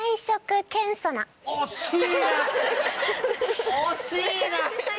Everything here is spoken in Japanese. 惜しいな！